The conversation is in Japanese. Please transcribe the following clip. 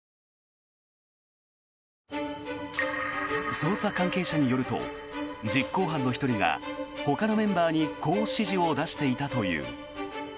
捜査関係者によると実行犯の１人がほかのメンバーにこう指示を出していたという。